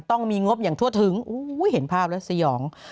ต้องมีงบอย่างทั่วถึงเห็นภาพแล้วสยอง